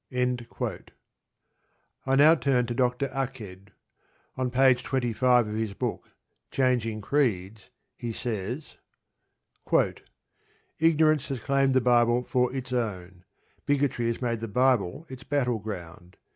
I now turn to Dr. Aked. On page 25 of his book, Changing Creeds, he says: Ignorance has claimed the Bible for its own. Bigotry has made the Bible its battleground.